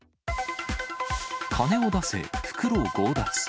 金を出せ、袋を強奪。